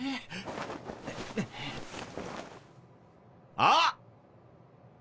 あっ！